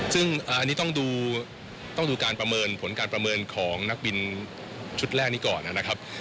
ซึ่งอันนี้ต้องดูการประเมินผลการประเมินของนักบินชุดแรกนี้ก่อนนะครับ